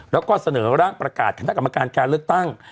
แล้วก็เสนอร่างประกาศคณะกรรมการการเลือกตั้ง